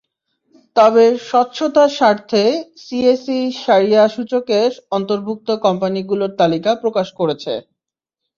তবে স্বচ্ছতার স্বার্থে সিএসই শরিয়াহ সূচকে অন্তর্ভুক্ত কোম্পানিগুলোর তালিকা প্রকাশ করেছে।